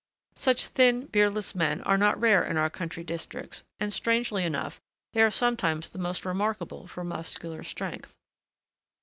Such thin, beardless men are not rare in our country districts, and, strangely enough, they are sometimes the most remarkable for muscular strength.